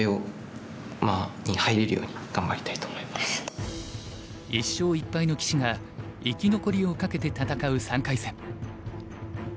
グロービス杯は１勝１敗の棋士が生き残りをかけて戦う３回戦。